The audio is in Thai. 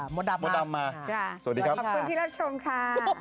มดดำมาสวัสดีครับขอบคุณที่รับชมค่ะ